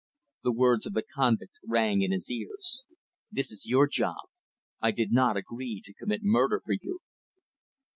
The words of the convict rang in his ears. "This is your job. I did not agree to commit murder for you."